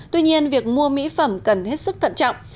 tuy nhiên việc mua mỹ phẩm cần hết sức thận trọng